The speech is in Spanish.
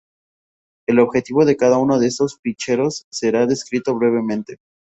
El objetivo de cada uno de estos ficheros será descrito brevemente.